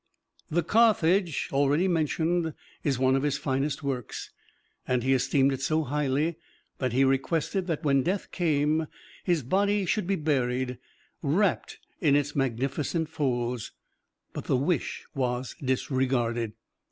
The "Carthage" already mentioned is one of his finest works, and he esteemed it so highly that he requested that when death came, his body should be buried, wrapped in its magnificent folds. But the wish was disregarded.